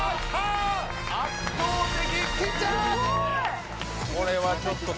圧倒的！